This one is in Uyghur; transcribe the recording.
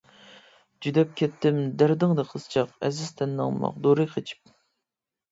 جۈدەپ كەتتىم دەردىڭدە قىزچاق، ئەزىز تەننىڭ ماغدۇرى قېچىپ.